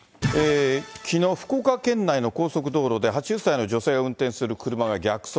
きのう、福岡県内の高速道路で８０歳の女性が運転する車が逆走。